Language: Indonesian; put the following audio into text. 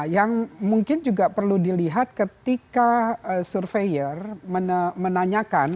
yang mungkin juga perlu dilihat ketika surveyor menanyakan